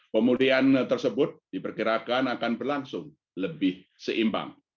pemulihan ekonomi global diperkirakan berlangsung lebih seimbang